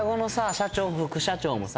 社長副社長もさ